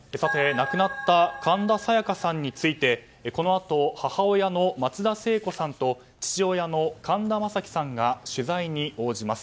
亡くなった神田沙也加さんについてこのあと母親の松田聖子さんと父親の神田正輝さんが取材に応じます。